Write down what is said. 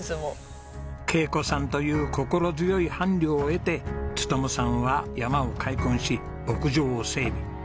恵子さんという心強い伴侶を得て勉さんは山を開墾し牧場を整備。